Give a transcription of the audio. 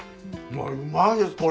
うまいですこれ。